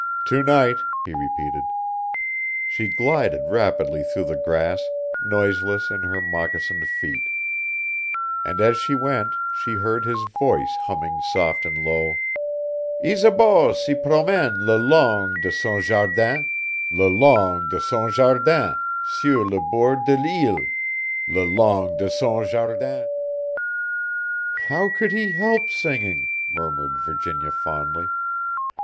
"To night," he repeated. She glided rapidly through the grass, noiseless in her moccasined feet. And as she went she heard his voice humming soft and low, "Isabeau s'y promène Le long de son jardin, Le long de son jardin, Sur le bord de l'île, Le long de son jardin." "How could he help singing," murmured Virginia, fondly.